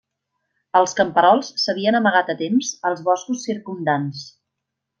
Els camperols s'havien amagat a temps als boscos circumdants.